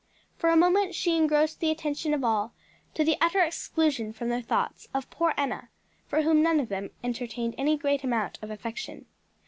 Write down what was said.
For a moment she engrossed the attention of all, to the utter exclusion from their thoughts of poor Enna, for whom none of them entertained any great amount of affection.